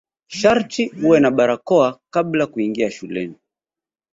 Sharti uwe na barakoa kabla kuingia shuleni.